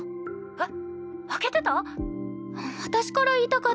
えっ！？